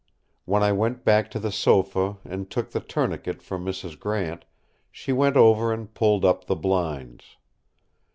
When I went back to the sofa and took the tourniquet from Mrs. Grant, she went over and pulled up the blinds.